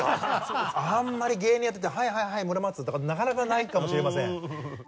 あんまり芸人やってて「はいはいはい村松」とかってなかなかないかもしれません。